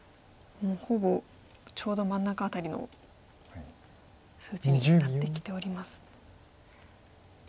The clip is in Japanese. もうほぼちょうど真ん中辺りの数値になってきております。